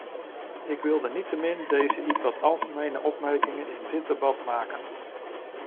Ik wilde niettemin deze ietwat algemenere opmerkingen in dit debat maken.